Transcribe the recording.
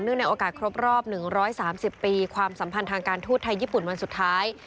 ในโอกาสครบรอบ๑๓๐ปีความสัมพันธ์ทางการทูตไทยญี่ปุ่นวันสุดท้าย